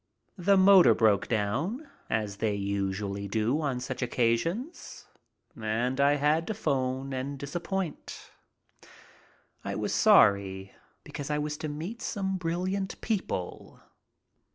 The motor broke down, as they usually do on such occasions, and I had to phone and disappoint. I was sorry, because I was to meet some brilliant people.